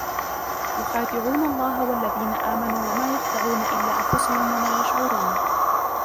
يخادعون الله والذين آمنوا وما يخدعون إلا أنفسهم وما يشعرون